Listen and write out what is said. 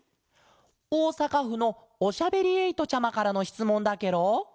おおさかふのおしゃべりえいとちゃまからのしつもんだケロ！